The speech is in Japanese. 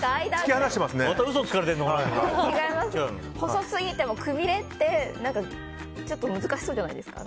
細すぎてもくびれってちょっと難しそうじゃないですか。